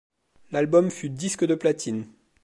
L’album fut disque de platine.